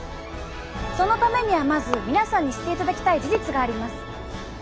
そのためにはまず皆さんに知っていただきたい事実があります。